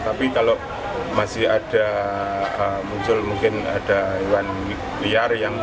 tapi kalau masih ada muncul mungkin ada hewan liar yang